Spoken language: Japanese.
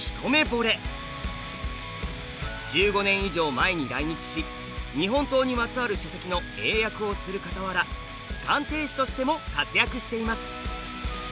１５年以上前に来日し日本刀にまつわる書籍の英訳をするかたわら鑑定士としても活躍しています。